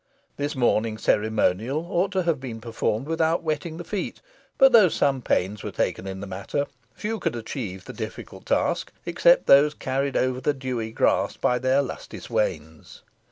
This morning ceremonial ought to have been performed without wetting the feet: but though some pains were taken in the matter, few could achieve the difficult task, except those carried over the dewy grass by their lusty swains.